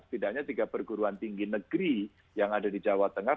setidaknya tiga perguruan tinggi negeri yang ada di jawa tengah